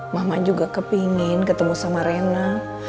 mama juga kepingin ketemu sama rena